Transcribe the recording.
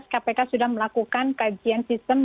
kpk sudah melakukan kajian sistem